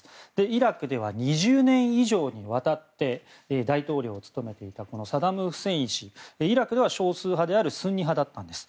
イラクでは２０年以上にわたって大統領を務めていたサダム・フセイン氏イラクでは少数派であるスンニ派だったんです。